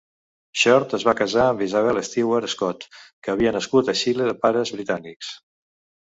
Shortt es va casar amb Isabella Stewart Scott, que havia nascut a Xile de pares britànics.